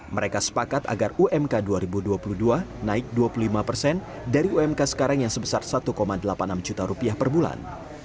mereka sepakat agar umk dua ribu dua puluh dua naik dua puluh lima persen dari umk sekarang yang sebesar satu delapan puluh enam juta rupiah per bulan